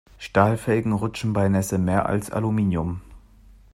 Stahlfelgen rutschen bei Nässe mehr als Aluminium.